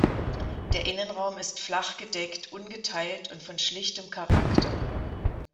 Der Innenraum ist flach gedeckt, ungeteilt und von schlichtem Charakter.